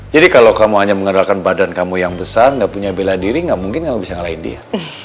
jadi kalau kamu hanya menggunakan badan kamu yang besar gak punya bela diri gak mungkin kamu bisa ngalahin dia